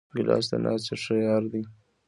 ګیلاس د ناستې ښه یار دی.